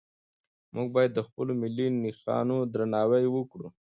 موږ باید د خپلو ملي نښانو درناوی وکړو.